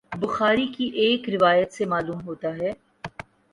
بخاری کی ایک روایت سے معلوم ہوتا ہے